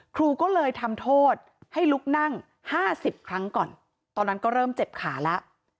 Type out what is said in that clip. ครูก็เลยทำโทษให้ลุกนั่ง๕๐ครั้งก่อนตอนนั้นก็เริ่มเจ็บขาแล้ว